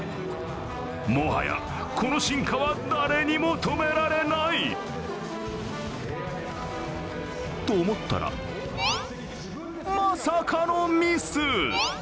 もはやこの進化は誰にも止められない。と思ったら、まさかのミス。